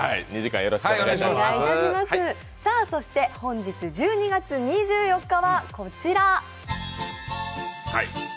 本日１２月２４日はこちら。